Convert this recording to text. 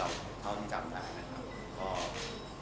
หากดูแลสุขภาพสุขภาพกันและกันก็ดี